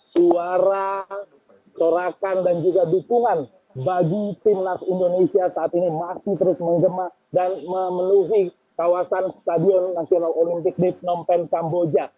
suara sorakan dan juga dukungan bagi timnas indonesia saat ini masih terus menggema dan memenuhi kawasan stadion nasional olimpik di phnom pen samboja